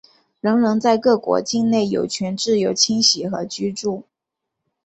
人人在各国境内有权自由迁徙和居住。